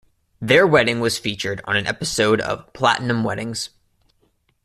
Their wedding was featured on an episode of "Platinum Weddings".